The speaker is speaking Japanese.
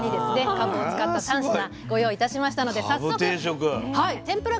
かぶを使った３品ご用意いたしましたので早速天ぷらから。